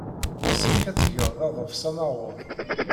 Yessefk ad tgeḍ aḍefs amaɣud.